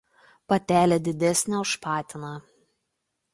Patelė didesnė už patiną.